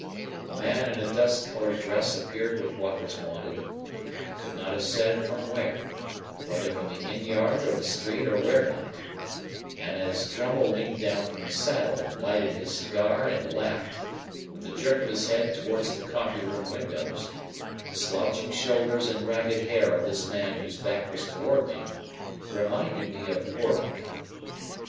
A man in a dust coloured dress appeared with what was wanted,—I could not have said from where: whether from the inn yard, or the street, or where not,—and as Drummle leaned down from the saddle and lighted his cigar and laughed, with a jerk of his head towards the coffee room windows, the slouching shoulders and ragged hair of this man whose back was towards me reminded me of Orlick.